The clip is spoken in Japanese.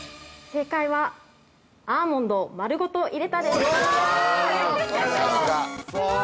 ◆正解は、アーモンドを丸ごと入れたです。